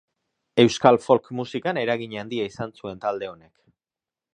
Euskal folk-musikan eragin handia izan zuen talde honek.